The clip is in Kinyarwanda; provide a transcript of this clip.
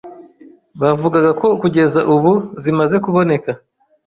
bavugaga ko kugeza ubu zimaze kuboneka